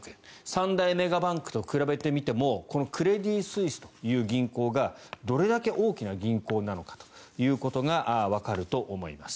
三大メガバンクと比べてみてもクレディ・スイスという銀行がどれだけ大きな銀行なのかということがわかると思います。